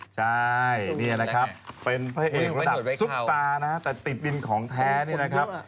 ใช่นี่นะครับเป็นพระเอกระดับซุปตานะฮะแต่ติดดินของแท้นี่นะครับ